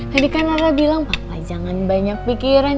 tadi kan nara bilang papa jangan banyak pikiran